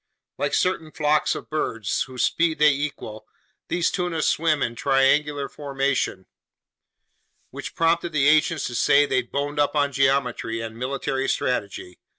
Like certain flocks of birds, whose speed they equal, these tuna swim in triangle formation, which prompted the ancients to say they'd boned up on geometry and military strategy.